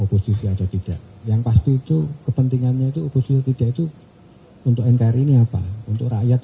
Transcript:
oposisi atau tidak yang pasti itu kepentingannya itu oposisi tidak itu untuk nkri ini apa untuk rakyat